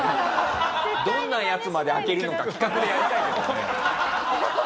どんなヤツまで開けるのか企画でやりたいよね。